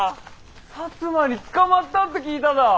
摩に捕まったって聞いたが。